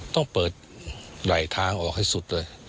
ต้องเปิดไหลทางออกให้สุดเลย